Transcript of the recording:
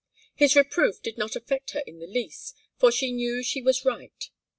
His reproof did not affect her in the least, for she knew she was right.